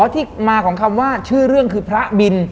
ที่มาของคำว่าชื่อเรื่องคือพระบิน